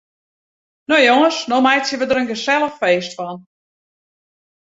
No jonges, no meitsje we der in gesellich feest fan.